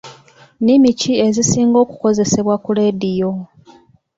Nnimi ki ezisinga okukozesebwa ku leediyo?